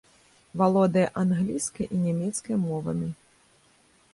Валодае англійскай і нямецкай мовамі.